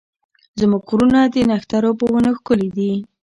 زموږ غرونه د نښترو په ونو ښکلي دي.